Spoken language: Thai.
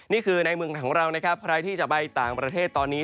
นี่คือในเมืองของเรานะครับใครที่จะไปต่างประเทศตอนนี้